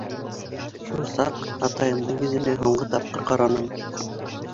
Шул саҡ атайымдың йөҙөнә һуңғы тапҡыр ҡараным.